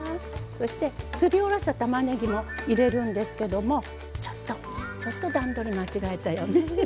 そして、すり下ろしたたまねぎも入れるんですけどちょっと段取り間違えたよね。